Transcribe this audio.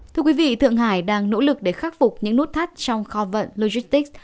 thưa quý vị thượng hải đang nỗ lực để khắc phục những nút thắt trong kho vận logistics